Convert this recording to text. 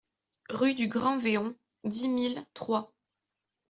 Rue du Grand Véon, dix mille Troyes